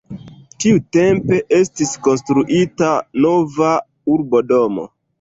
Tiutempe estis konstruita nova urbodomo.